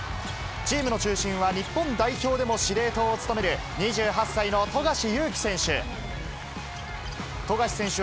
チームの中心は、日本代表でも司令塔を務める２８歳の富樫勇樹選手。